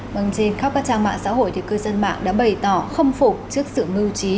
bằng trên khắp các trang mạng xã hội cư dân mạng đã bày tỏ không phục trước sự mưu trí